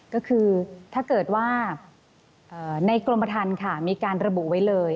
ก็คือถ้าเกิดว่าในกรมฐานมีการระบุไว้เลย